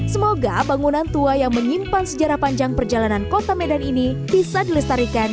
semoga bangunan tua yang menyimpan sejarah panjang perjalanan kota medan ini bisa dilestarikan